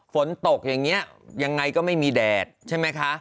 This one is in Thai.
ฝนตกอย่างนี้ยังไงก็ไม่มีแดดใช่ไหมคะ